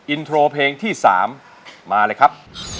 อินโทรเพลงที่๓มาเลยครับ